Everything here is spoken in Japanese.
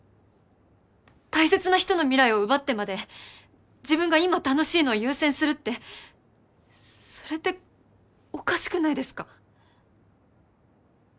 大切な人の未来を奪ってまで自分が今楽しいのを優先するってそれっておかしくないですか？